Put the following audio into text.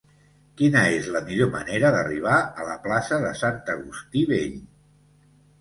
Quina és la millor manera d'arribar a la plaça de Sant Agustí Vell?